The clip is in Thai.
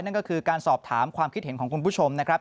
นั่นก็คือการสอบถามความคิดเห็นของคุณผู้ชมนะครับ